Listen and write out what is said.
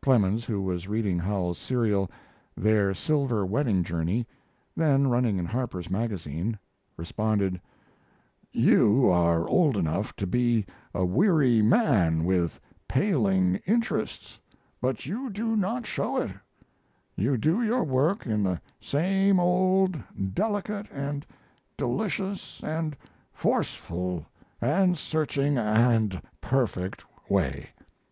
Clemens, who was reading Howells's serial, "Their Silver Wedding journey," then running in Harper's Magazine, responded: You are old enough to be a weary man with paling interests, but you do not show it; you do your work in the same old, delicate & delicious & forceful & searching & perfect way.